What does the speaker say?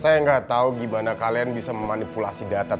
saya gak tahu gimana kalian bisa memanipulasi data tes dna